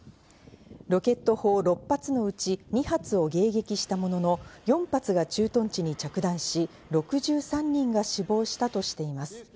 ロケット砲６発のうち、２発を迎撃したものの、４発が駐屯地に着弾し、６３人が死亡したとしています。